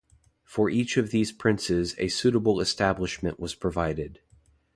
For each of these princes a suitable establishment was provided.